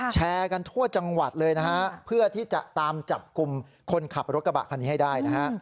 แชร์กันทั่วจังหวัดเลยนะฮะเพื่อที่จะตามจับกลุ่มคนขับรถกระบะคันนี้ให้ได้นะฮะ